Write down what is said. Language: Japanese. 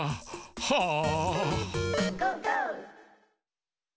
はあ。